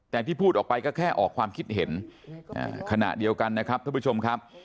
แต่ที่พูดออกไปก็แค่ออกความคิดเห็นขณะเดียวกันนะครับท่านผู้ชมครับ